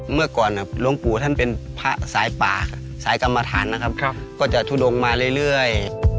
เมื่อก่อนหลวงปู่ท่านเป็นพระสายป่าสายกรรมฐานนะครับก็จะทุดงมาเรื่อย